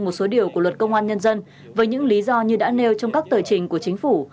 một số điều của luật công an nhân dân với những lý do như đã nêu trong các tờ trình của chính phủ